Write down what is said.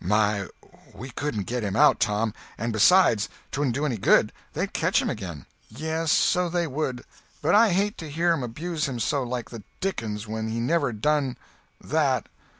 "My! we couldn't get him out, Tom. And besides, 'twouldn't do any good; they'd ketch him again." "Yes—so they would. But I hate to hear 'em abuse him so like the dickens when he never done—that."